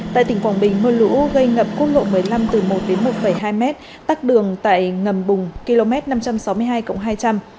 tại tỉnh quảng bình mưa lũ gây ngập quốc lộ một mươi năm từ một đến một hai mét tắc đường tại ngầm bùng km năm trăm sáu mươi hai hai trăm linh